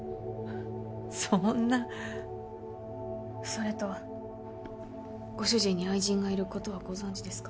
そんなそれとご主人に愛人がいることはご存じですか？